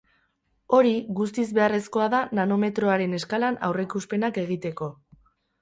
Hori, guztiz beharrezkoa da nanometroaren eskalan aurreikuspenak egiteko.